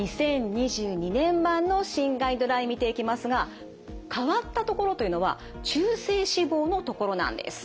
年版の新ガイドライン見ていきますが変わったところというのは中性脂肪のところなんです。